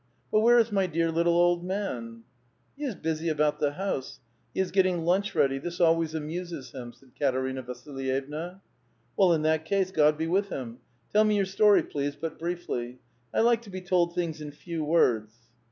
But where is my dear little old man ?"" He is busy about the house ; he is getting lunch ready ; this alwa3's amuses him," said Katerina Vasilyevna. "Well, in that case, God be with him! Tell me your story, please, but briefly ; I like to be told things in few words."